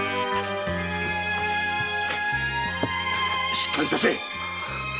しっかりいたせ！